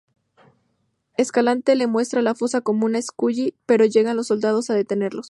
Escalante le muestra la fosa común a Scully, pero llegan los soldados a detenerlos.